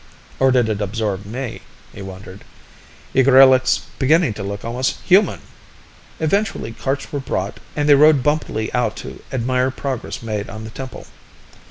Or did it absorb me? he wondered. Igrillik's beginning to look almost human! Eventually, carts were brought, and they rode bumpily out to admire progress made on the temple.